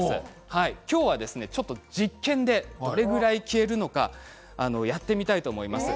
今日はちょっと実験でどれぐらい消えるのかやってみたいと思います。